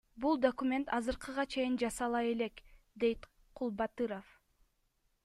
Бул документ азыркыга чейин жасала элек, — дейт Кулбатыров.